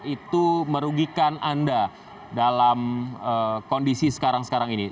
itu merugikan anda dalam kondisi sekarang sekarang ini